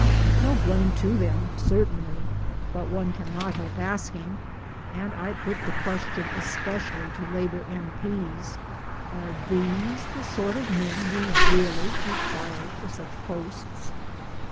No blame to them, certainly ; but one cannot help asking and I put the question especially PERSONALITIES 213 to Labour M.P.'s : Are these the sort of men we really require for such posts?